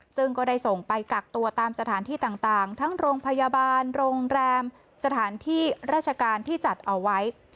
ซึ่งก็ได้ส่งไปกักตัวตามสถานที่ต่างทั้งโรงพยาบาลโรงแรมสถานที่ราชการที่จัดเอาไว้